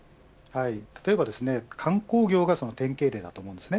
例えば観光業がその典型例です。